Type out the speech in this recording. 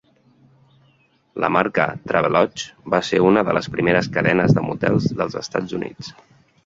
La marca Travelodge va ser una de les primeres cadenes de motels dels Estats Units.